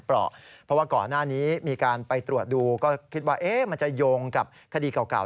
เพราะว่าก่อนหน้านี้มีการไปตรวจดูก็คิดว่ามันจะโยงกับคดีเก่า